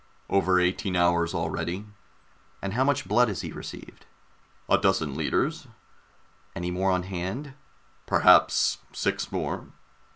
"Over eighteen hours already." "And how much blood has he received?" "A dozen liters." "Any more on hand?" "Perhaps six more."